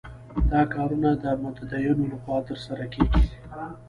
دا کارونه د متدینو له خوا ترسره کېږي.